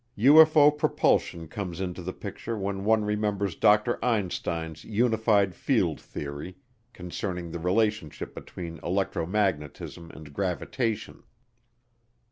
UFO propulsion comes into the picture when one remembers Dr. Einstein's unified field theory, concerning the relationship between electro magnetism and gravitation.